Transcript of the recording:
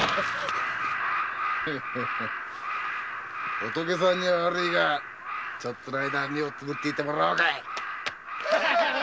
仏さんにゃ悪いがちょっとの間目をつぶっててもらおうかい。